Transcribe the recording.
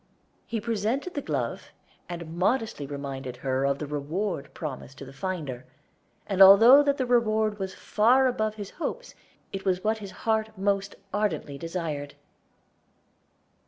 He presented the glove, and modestly reminded her of the reward promised to the finder, and although that reward was far above his hopes, it was what his heart most ardently desired.